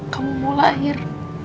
kamu mau lahir